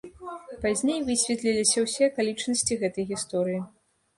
Пазней высветліліся ўсе акалічнасці гэтай гісторыі.